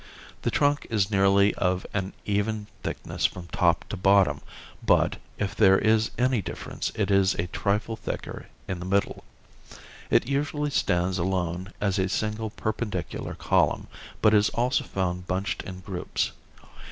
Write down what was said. The trunk is nearly of an even thickness from top to bottom but, if there is any difference, it is a trifle thicker in the middle. It usually stands alone as a single perpendicular column, but is also found bunched in groups.